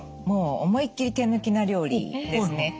もう思いっきり手抜きな料理ですね。